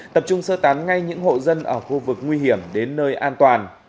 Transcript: tập trung sơ tán ngay những hộ dân ở khu vực nguy hiểm đến nơi an toàn